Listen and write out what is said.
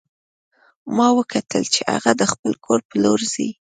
ما وکتل چې هغه د خپل کور په لور ځي